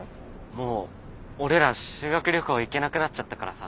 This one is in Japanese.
もう俺ら修学旅行行けなくなっちゃったからさ。